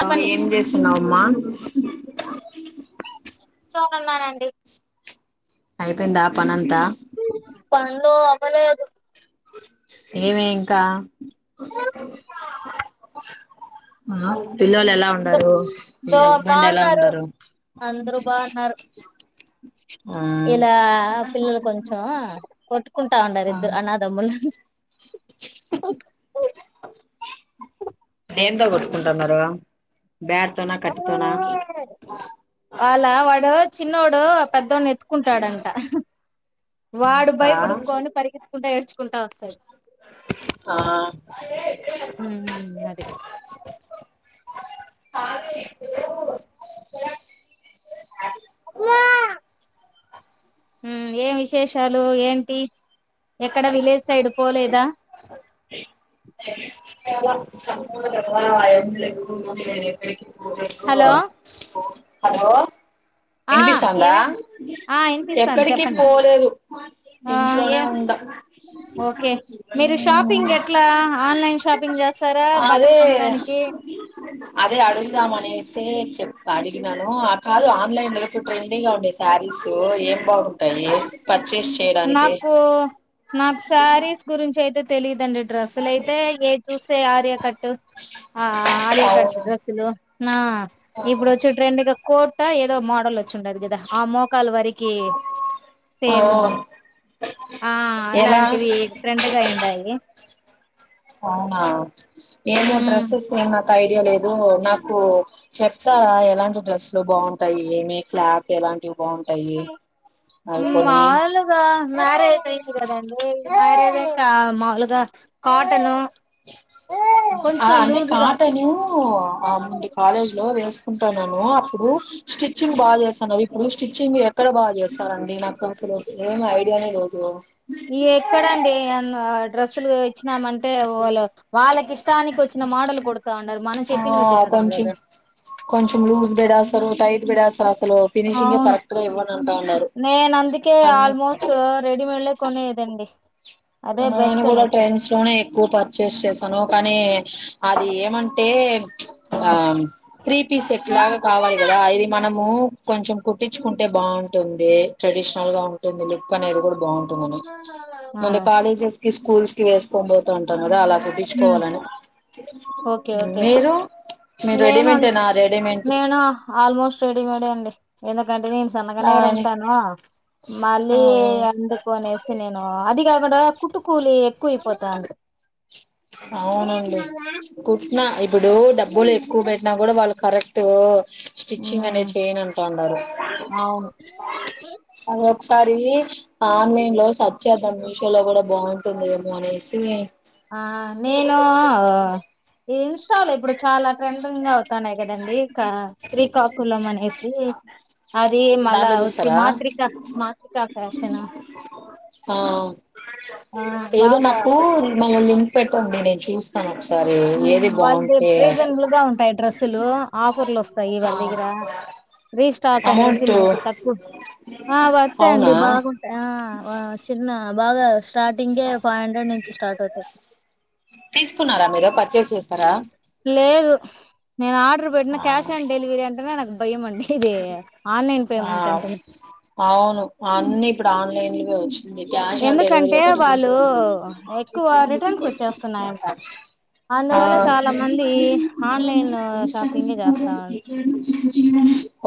చెప్పండి ఏం చేస్తున్నావమ్మా తన్నానన్ననండి అయిపోయిందా పనంత ప నులు అవ్వలేదు ఏమే ఇంకా పిల్లలు ఎలా దో ఉండరు మి దో హస్బెండ్ ఎలా బాగున్నారు ఉండరు అందరూ బాగున్నారు ఇలా పిల్లలు కొంచెం కొట్టుక తాండారు ఆ ఇరు అనాదమ్ముల్ దేంతో కొట్టుకుంటున్నారు బ్యాట్ తోనా కట్టితోనా వాళ్ల వాడ చిన్నోడు ఆ పెద్దోడిని ఎత్తుకుంటాడంట వాడు భయ ఇంకా పడుకని పరిగత్తుకుంటా ఏడ్చు కుంటా వస్తాడు ఆ ఉమ్ అది ఆ ఇప్పు అ ఏం విశేషాలు ఏంటి ఎక్కడ విలేజ్ సైడు పోలేదా సరే అయ లే కు హలో హలో ఆ వినిపిస్తుందా ఏమే ఆ ఇనిపిస్తాంది ఎప్పడికి చెప్పండి పోలేదు ఆ ఏ ఇంట్లోనే ఉంద ఓకే మీరు షాపింగ్ ఎట్లా ఆన్లైన్ షాపింగ్ చేస్తారా బట్టలు అదే కొనడానికి అదే అడుగుదామ అనేసి చెప్పు అడిగినను ఆ కాదు ఆన్లైన్ మీకు ట్రెండింగ్ గా ఉండే శారీస్ ఏం బాగుదు నాకు నాకు శారీస్ గురించి అయితే తెలిదండి డ్రెస్సులు అయితే ఏ చూస్తే ఆర్యకట్టు ఆ ఆర్యకట్ అవును డ్రెస్సులు ఆ ఆ, ఇప్పుడు వచ్చే ట్రెండ్గా కోట్ ఏదో మోడల్ వచ్చ వచ ఉండదు కదా ఆ మోకాల వరకి సేమ్ ఆఓ ఆ అలాంటివి ఫ్రెండ్ గా అయిఉండాయి అవునా ఏమో డ్రెస్సెస్ ఏం ఐడియా లేదూ నాకు చెప్తారా ఎలాంటి డ్రెస్ లో బావుం టై ఏమి క్లాక్ ఎలాంటి మాములుగా మ్యారేజ్ అయింది కదండి మేరేజ్ ఇంకా మాములుగా కాటను ఆ కొంచెం అంటే లూజుగా కాటను ఆ ముందు కాలేజీ లో వేసుకుం నేను అప్పుడు స్టిచ్చింగ్ బాగా చేసాను ఇప్పుడు స్టిచ్చింగ్ ఎక్కడ బాగా చేస్తారండి నాకు అసలు ఏమి ఐడియానే లేదు ఈ ఎక్కడండి డ్రెస్సులు ఇచ్చినామంటే వాళ్ళు వాళ్ళకి ఇష్ట టానికి వచ్చిన మోడలు కుడతా ఉన్నారు మనం ఆ చెప్పినవి కుట్టడం కొంచెం లేదు నువ్వు టైట్ పెట్టెస్ అవును ఉన్నారు నేను అందుకే అన్ ఆల్మోస్ట్ రెడిమేడ్లే కొనేది దండి నేను కూడా ట్రెండ్స్ లోనే ఎక్కువ పర్చేజ్ చేసాను కానీ అది ఏమంటే ఆ త్రీ పీస్ సెట్లాగా కావాలి కదా ఇది మనము కొంచెం కుట్టించుకుంటే బావుంటుంది ట్రెడిషనల్ గా ఉంటుంది లుక్ అనేది కూడా బావుంటుంది అని ఆ ముందు కాలేజెస్ కి స్కూల్స్ కి వేసుకొని పోతా ఉంటాం కదా అలా కుట్టించుకోవాలని ఓకే ఓకే మీరు మీరు నేను అం రెడీమేంటేనా రెడీమేంట్ నేను ఆల్మోస్ట్ రెడీమేడే అండి ఎలా ఎందుకంటే నేను సన్నగనే గద దాని ఉంటాను మళ్ళీ ఆ అందుకనేసి నేను అది ఇంకా అక్కడ కుట్టుకూలి ఎక్కువ అయిపోతాంది అవునండి కుట్న ఇప్పుడు డబ్ కూలి ఎక్కువ పెట్టినా కూడా వాళ్ళు కరెక్టూ స్టిచ్చింగ్ ఉమ్ అనేది చేయను అంటూ ఉన్నారు అవును అదే ఒకసారి ఆన్లైన్ లో సర్చ్ చేద్దాం మీషో లో కూడా బాగుంటుందేమో అనేసి ఆ నేను ఇంస్టా లో ఇప్పుడు చాలా ట్రేండింగ్ అవుతాన్నాయి కదంీ శ్రీకాకుళం అనేసి అది మళా దాంట్లో వచ్చి చూసారా మాత్రికా మాత్రికా ఫ్యాషన్ తే నా ఆ ఏదో బాగా నాకు మనం పెట్టండి నేను చూస్తాను ఒకసారి ఏది వాళ్ళ ద బాగుంటే రీజనబుల్ గా ఉంటాయి డ్రెస్సులు ఆఫర్లు వస్ సయి ఆ వల్ల దగ్గరా రీస్టాక్ అనేసి అమౌంట్ మనకి తక్కువ ఆ వస్తాయిండి అవునా బాగుంటాయి ఆ చిన్న బాగా స్టార్టింగ్ే ఫైవ్ హండ్రెడ్ నుంచి స్టార్ట్ అవుతాయి తీసుకున్నారా మీరు పూర్చస్ చేశారా నాడు పెట్న ఆ క్యా ఆన్డలివరీ అంటే నాక్ భయ్యమండి ఆ అవును అన్ని ఇప్పుడు ఆన్లైన్ లు గవచు కష్ ఆన్ డెలివరిీ ఎందుకంటే ఒకటి వాళ్ళు కోన్టే ఎక్కువ రిటర్న్స్ వచ్చేస్తున్నాయంట. అందువల్ల చాలా మంది ఆన్లైన్ షాపింగే చేస్తా ఉం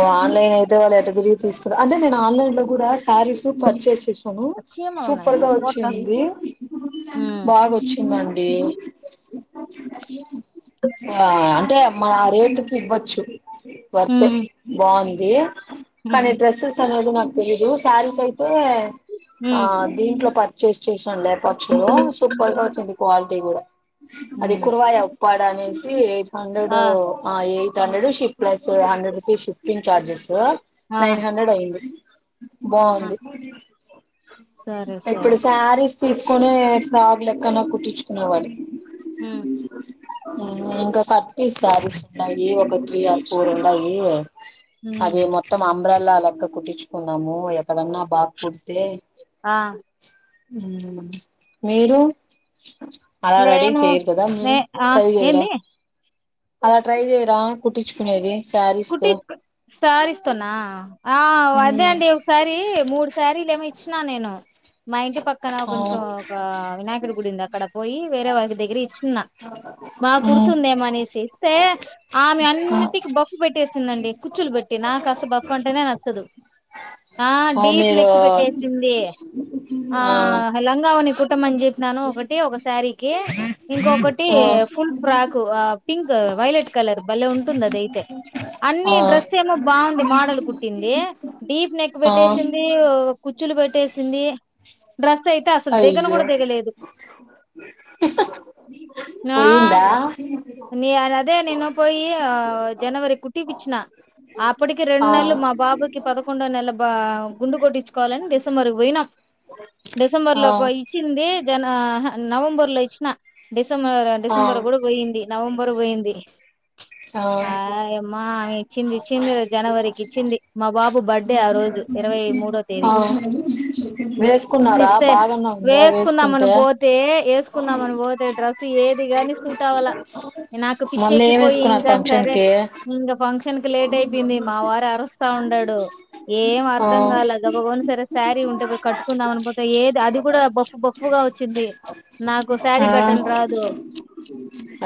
ఆ ఆన్లైన్ అయితే వాళ్ళ ఎటలా తిరిగి తీసుకు అంటే నేను ఆన్లైన్ లో కూడా శారీస్ పర్చేస్ చేసాను చీమలు ఉన్నాయి సూపర్ కదా గా పొట్ట వచ్చింది హ్మ్ బాగా వచ్చిందండి టే ఆ అంటే ఆ రేట్ కి ఇవ్వచ్చు వర్త్ హ్మ్ బాగుంది కానీ హ్మ్ డ్రెస్సెస్ అనేది నాకు లేదు శారీస్ అయితే ఆ హ్మ్ దీంట్లో పాతు చెస్ [unintelligible] చూసానులే పక్షులు సూపర్ గా వచ్చింది క్వాలిటీ కూడా అది హ్మ్ కురువయా వాడ అనేసి హండ్రెడు ఆ ఆ ఎయిట్ తండడుషి ప్లస్ హండ్రెడ్ రూపీస్ చార్జెస్ ఆ నైన్ హండ్రెడ్ ఎయిట్ అ ఆహా బాగుంది సరే సరే ఇప్పుడు శారీస్ తీసుకునే ఫ్రాక్ లెక్కన కుట్టించుకునేవాలి హ్మ్ ఉ [inaudible] ఇంకా కట్టిస్తారు అది త్రీ ఆర్ ఫోర్ ఉంటాయి హ్మ్ అదే మొత్తం అమ్మి అమ్బ్రేల్లా లెక్క కుట్టించుకుందాము ఎక్కడన్నా బాగా కుడితే ఆ మీరు అలా రెడీ నేను చేయరు కదా నే మీరు ఆ ట్రై చేయరా ఏంది అలా ట్రై చేయరా కుట్టించుకునేది శారీస్ తో శారీస్ తో నా ఆ అదే నండి ఒకసారి మూడు శారీస్ లేమన్నా ఇచ్చినా నేను మా ఇంటి పక్కన కొంచెం ఆ ఒక వినాయకుడి గుడింది అక్కడ పోయి వేరే వారి దగ్గర ఇచ్చి బాగా కుడుతుందేమో అనేసి ఇస్తే ఆమె అన్నిటికి బ కుట్టేసిందండి కుచులు పెట్టి నాకు కాస్త బప్ అంటేనే నచ్చదు వద్దు ఆ డీప్ నెక్ పెట్టేసింది ఆ లంగావని కుట్ కుట్టమని చెప్పినాను ఒకటి ఒకసారీకి ఇంకొకటి ఆ full frock pink violet colour బలే ఉంటుంది అద అయితే అన్ని ఆ డ్రెస్ ఏమో బాగుంది మోడల్ కుట్టింది డీప్ నెక్ ఆ పెట్టేసింది కుచులు పెట్టేసింది. డ్రెస్ అయితే అసలు దిగను కూడా అయ్యో దిగలేదు నా పోయిందా ఆ అదే నేను పోయి ఆ జనవరి కుట్టిపిచ్చిన అప్పటికకి రెండు ఆ నెలలు మా బాబుకి పదకొండో నెల ఆ గుండు కొట్టించుకోవాలని డిసెంబర్ పోయినాం డిసెంబర్ ఆ లోక ఇచ్చింది జన నవంబర్ లోచ్చిన డి డిసెంబర్ ఆ డిసెంబర్ కూడా పోయింది నవంబరు పోయింది ఆ అమ్మా ఆమె ఇచ్చింది ఇచ్చింది జనవరికి ఇచ్చింది బాబు బర్త్డే ఆ రోజు ఇరవై మూడో తేదీ ఆ వేసుకున్నారా ఇస్తే బాగానే ఉందా వేసుకుందామని వేసుకుంటే పోతే వేసుకుందామని పోతే డ్రస్సు ఏది గాని సూట్ అవాల నాకు మొన్న పిచ్చేకి ఏం పోయి వేసుకున్నారు ఇంకా ఫంక్షన్ సరే కి ఇంగ ఫంక్ష ఫంక్షన క లేట్ అయిపోయింది మా వారు అరస్తా ఉన్డాడు ఏం ఆ అర్ధం కాలగా గబ గబ సరే శారీ ఉంటే కట్టుకుందాం అని పో ఏది అది కూడా బప్ బప్ గా వచ్చింది నాకు శారీ ఆ కట్టడం రాదు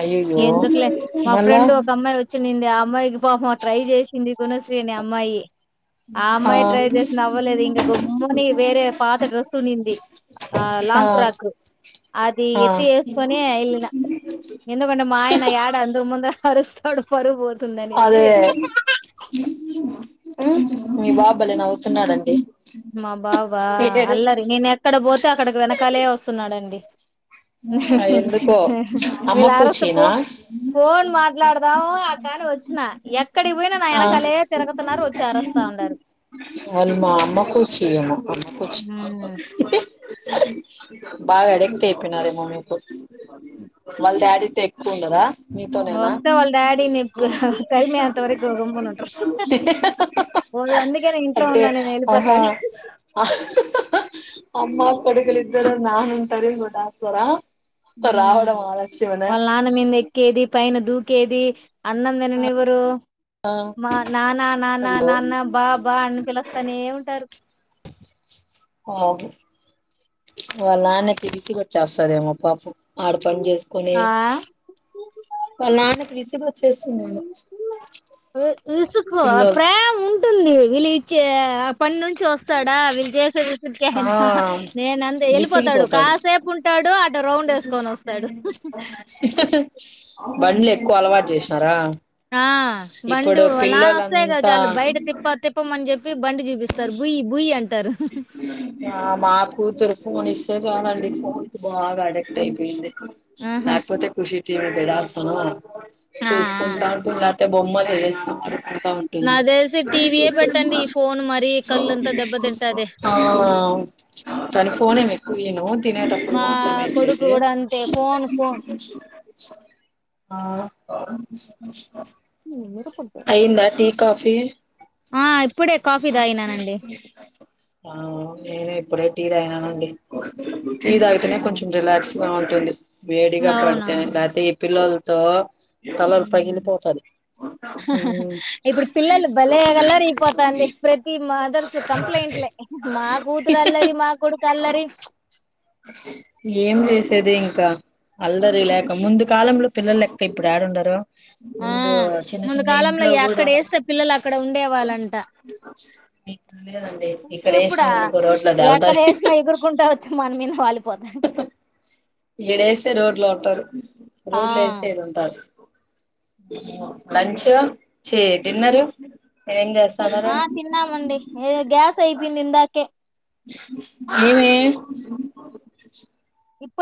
అయ్యయ్యో ఎందుకులే మా మళ్ళా ఫ్రెండ్ ఒక అమ్మాయి వచ్చింది ఆ అమ్మాయి అకి పాపం ట్రై చేసింది గునశ్రీని అమ్మాయి ఆ అమ్మాయి ట్రై చేసిన అవ్వలేదు ఇంకా గమ్ముని వేరే పాత డ్రెస్ ఉనింది ఆ లాంగ్ ఫ్రాక్ అది ఆ ఎత్తి వేసుకొని వెళ్ళిన ఎందుకంటే మాయన యడ అందరు ముంద అరుస్తాడు పరువు బో అదే ఉమ్ మీ బాబు భలే నవ్వుతున్నాడు అండి మా బాబా అల్లరి నేను ఎక్కడ పోతే అక్కడకి వెనకాలే వస్తాడు వస్తున్నాడండి ఎందుకో అమ్మ వీళ్ళ అరుసు పో కూచినా పోన్ మాట్లాడదాం ఆట అని వచ్చినా ఎ ఆ అరస్తా ఉండారు అల్మా అమ్మకు శీ అమ్ కూచి హ్మ్. బాగా అడిక్ట్ అయిపోయినారేమ మీకు వాళ్ళ డాడీ తో ఎక్కువ ఉండరా మీతోనేనా వస్తా వాళ్ళ డాడీని తరిమే అంత వరకు గమ్మున ఉంటారు పోదు అందుకే నేను ఇంట్లో అంటే ఉన్నా నేను ఆహా వెళ్ళిపోతాడు అమ్మ కొడుకులిద్దరూ నా ఇంతరబోటాస్రా ఉ వాళ్ళ నాన్న మీద ఎక్కేది పైన దూకేది అన్నం తిననివారు ఆ మా నానా నానా అయ్యో నాన్న బా బా అని పిలుస్తానే ఉంటారు ే వాళ్ళ నాన్న కి విసుకువచేస్తాదీ ఏమో పాపం ఆడ పని చేసుకుొని ఆ వల నాన్నకి విసిగొచ్చేస్తుందేమో ఇసుకో పిల్లోలు ప్రేమ ఉంటుంది వీళ్ళు ఇచ్చే ఆ పని నుంచి వస్తాడా వీళ్ళు చేసే ఆ ఇటికయనా నేన అంత వెళ్ళిపోతాడు విసిగిపోతాడు కాసేపు ఉంటాడు అటు ఓ రౌండ్ వేసుకొని వస్తాడు బండ్లు ఎక్కువ అలవాటు చేసినారా ఆ బండు ఇప్పుడు లానే వస్తాయి కదా పిల్లోలంతా చాలు బయట తిప్ప తిప్పమని చెప్పి బండి చూపిస్తారు బూయ్యి బూయ్యి అంటారు ఆ మా కూతురు ఫోన్ ఇస్ ో చనండి ఫోన్ కీ బాగా అడిక్ట్ అయిపోయింది ఆహా. లేకపోతే కుుషీ చి తడాస్తాన్నా ఆ, ఆ. చూసుకుంటా ఉంటుంది లేక్ బొమ్మల్ తో చేసినప్పుడు నాక్ తెలిసి టీవీయే పెట్టండి ఈ ఫోన్ మరీ కళ్ళు ఎంత దెబ్బ తింటయి ఆ కాని ఫోన్ ఏమి ఎక్కవ ఈయనూ తినేటప్పుడు మా మాత్రమే కొడుకు ఇచ్చేది కూడా అంతే ఫోన్ ఫోన్ ఆ అయిందా టీ [unintelligible] కాఫీ ఆ ఇప్పుడే కాఫీ తాగినానండి ఆ నేను ఇప్పుడే టీ తాగినానండి ఆ, ఇదాతేనే కొంచెం రిలాక్స్ బాగుంటుంది వేడిగా అవునవును పడతేనే లెతే ఈ పిల్లలు తో హమ్ హా హా హా ఇప్పుడు పిల్లలు భలే అలరైపోతాంది ప్రతి మదర్స్ కంప్లైంట్లే మా కూతుర అలరి మా కుడుకు అల్లరి ఏం చేసేది ఇంకా అల్లరి లేక ముందు కాలంలో పిల్లలు లెక్క ఇప్పుడు యాడుందారు ఆ ముందు చిన్న ముందు చిన్న కాలంలో ఇంట్లో కూడా ఎక్కడేస్తే పిల్లలు అక్కడ ప ఇప్పుడ దళ్తారు ఏకదసిన ఎగురుకుంట వచ్చి మన మీద వాళ్ పోద ఈడ ఏస్తే రోడ్లో ఉంటారు ఆ నోట్లో వేస్తే ఈడ ఉంటాడు లంచ్ చే డిన్నరు ఏం చేస్తన్నారు ఆ తిన్నామండి ఏ గ్యాస్ అయిపోయింది ఇందాకే ఏమీ ఇ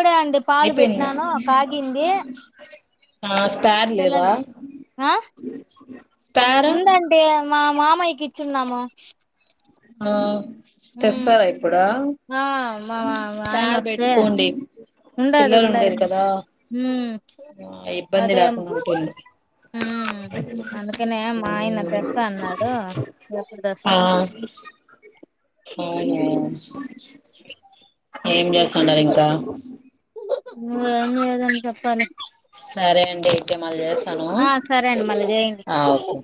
అయిపోయిందా ఆ స్పేర్ లేదా తెలండి ఆ స్పేర్ ఉందండి మా మా మాయికి ఇచ్చున్నాము ఆ హ్మ్ తెస్తారా ఇప్పుడా ఆ మా స్పార్ పెట్టుకోండి ఉండది పిల్లలు ఉండది ఉండేరు కదా ఉమ్ ఆ ఇబ్బంది అదే ఉమ్ లేకుండా ఉంటుంది అందుకనే మా ఆయన తెస్తా అన్నాడు ఆ తేస్తాడు అవును ఏం చేస్తున్నారు ఇంకా ఏం లేదండి చెప్పలీ సరే అండి అయితే మళ్ళీ చేస్తాను ఆ సరే అండి మళ్ళీ చేయండి ఆ ఓకే